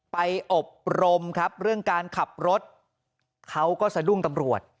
อบรมครับเรื่องการขับรถเขาก็สะดุ้งตำรวจ